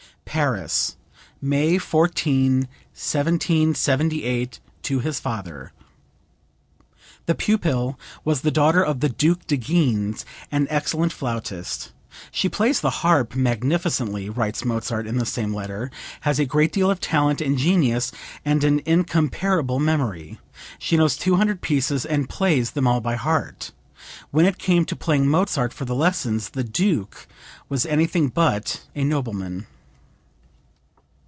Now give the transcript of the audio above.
(Paris, May 14, 1778, to his father. The pupil was the daughter of the Duke de Guines, an excellent flautist. "She plays the harp magnificently," writes Mozart in the same letter; "has a great deal of talent and genius, and an incomparable memory. She knows 200 pieces and plays them all by heart." When it came to paying Mozart for the lessons the Duke was anything but a nobleman.)